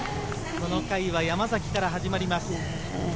この回は山崎から始まります。